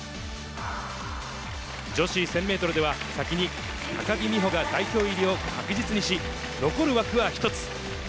女子１０００メートルでは、先に高木美帆が代表入りを確実にし、残る枠は１つ。